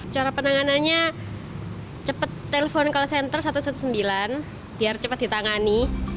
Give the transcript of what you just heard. cara penanganannya cepat telepon call center satu ratus sembilan belas biar cepat ditangani